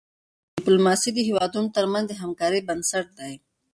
ډيپلوماسي د هېوادونو ترمنځ د همکاری بنسټ دی.